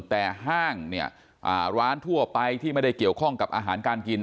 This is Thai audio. แต่ห้างเนี่ยร้านทั่วไปที่ไม่ได้เกี่ยวข้องกับอาหารการกิน